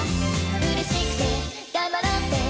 「嬉しくて頑張ろうって」